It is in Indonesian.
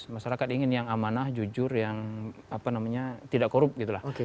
masyarakat ingin yang amanah jujur yang tidak korup gitu lah